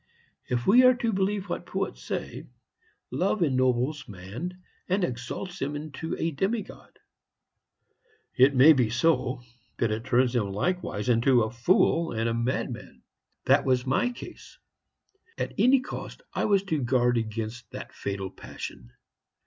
If we are to believe what poets say, love ennobles man and exalts him into a demigod. It may be so, but it turns him likewise into a fool and a madman. That was my case. At any cost I was to guard against that fatal passion.